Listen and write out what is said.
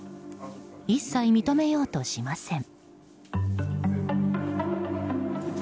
一切認めようとしません。